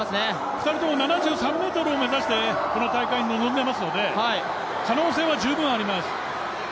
２人とも７３ｍを目指してこの大会に臨んでいますので、可能性は十分あります。